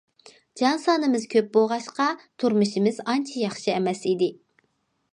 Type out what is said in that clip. جان سانىمىز كۆپ بولغاچقا، تۇرمۇشىمىز ئانچە ياخشى ئەمەس ئىدى.